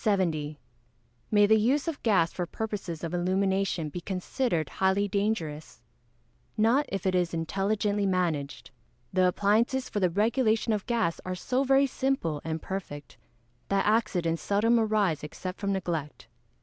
May the use of gas for purposes of illumination be considered highly dangerous? Not if it is intelligently managed. The appliances for the regulation of gas are so very simple and perfect, that accidents seldom arise except from neglect.